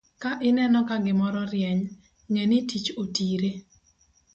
Ka ineno ka gimoro rieny, ng'e ni tich otire.